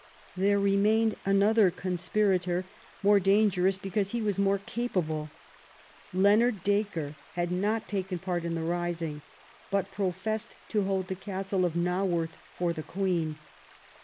There remained another conspirator, more danger ous because he was more capable. Leonard Dacre had not taken part in the rising, but professed to hold the Castle of Naworth for the Queen.